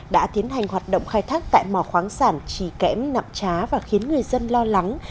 đã tiến hành hoạt động khai thác tại mò khoáng sản trì kẽm nạm trá và khiến người dân lo lắng